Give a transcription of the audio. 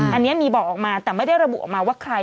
อันนี้มีบอกออกมาแต่ไม่ได้ระบุออกมาว่าใคร